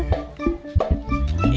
tidak enaklah sayang